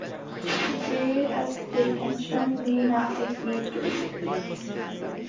The period of detention may not exceed three years.